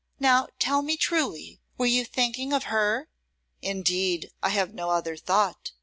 Now tell me truly, were you thinking of her?' 'Indeed, I have no other thought.